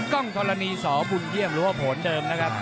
กล้องธรณีสบุญเยี่ยมหรือว่าผลเดิมนะครับ